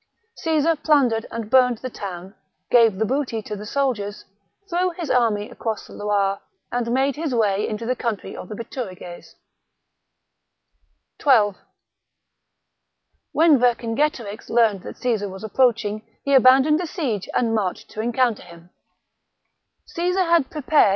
Caesar plundered and burned the town ; gave the booty to the soldiers ; threw his army across the Loire, and made his way into the country of the Bituriges. 12. When Vercingetorix learned that Caesar and captures was approaching, he abandoned the siege and dunum marched to encounter him. Caesar had prepared (viiiate?